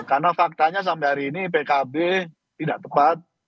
karena faktanya sampai hari ini pkb tidak tepat